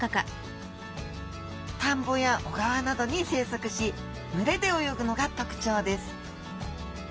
田んぼや小川などに生息し群れで泳ぐのが特徴です。